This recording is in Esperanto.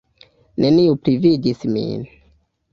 Neniu pli vidis min.